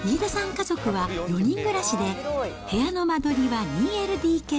家族は４人暮らしで、部屋の間取りは２ＬＤＫ。